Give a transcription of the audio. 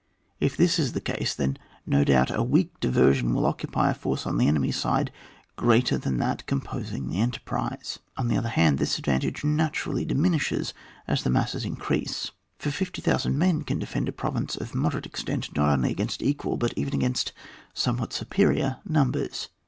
If this is the case, then no doubt a weak diversion will occupy a force on the enemy's side greater than that composing the enterprise. On the other hand, this advantage naturally diminishes as the masses increase, for 50,000 men can defend a province of moderate extent not only against equal but even against somewhat superior numbers.